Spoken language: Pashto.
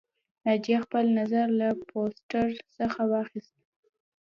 ناجیه خپل نظر له پوسټر څخه واخیست